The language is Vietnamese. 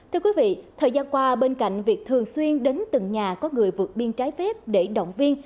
thưa quý vị thời gian qua bên cạnh việc thường xuyên đến từng nhà có người vượt biên trái phép để động viên